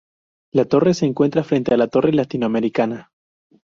La torre se encuentra frente a la Torre Latinoamericana.